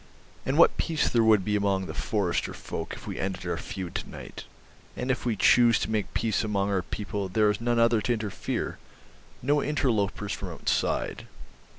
And what peace there would be among the forester folk if we ended our feud to night. And if we choose to make peace among our people there is none other to interfere, no interlopers from outside